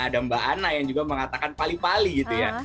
ada mbak anna yang juga mengatakan pali pali gitu ya